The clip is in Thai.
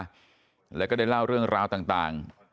แล้วก็ได้เล่าเรื่องราวต่าง